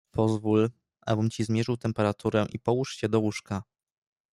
"Pozwól, abym ci zmierzył temperaturę i połóż się do łóżka."